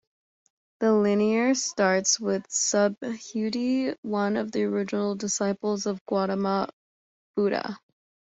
The lineage starts with Subhuti, one of the original disciples of Gautama Buddha.